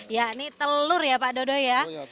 ya ini telur ya pak dodo ya